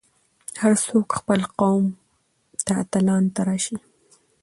هر څوک خپل قوم ته اتلان تراشي.